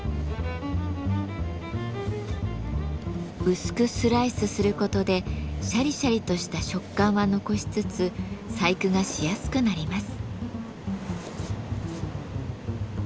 薄くスライスすることでシャリシャリとした食感は残しつつ細工がしやすくなります。